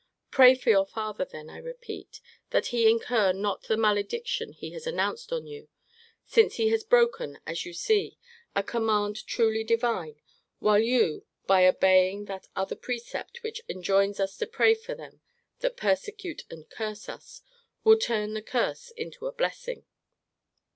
Pray for your father, then, I repeat, that he incur not the malediction he has announced on you; since he has broken, as you see, a command truly divine; while you, by obeying that other precept which enjoins us to pray for them that persecute and curse us, will turn the curse into a blessing.